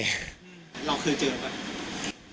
เราเคยเจอหรือเปล่า